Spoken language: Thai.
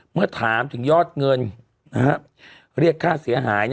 เมื่อถามถึงยอดเงินเรียกค่าเสียหาย